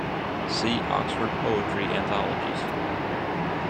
See Oxford poetry anthologies.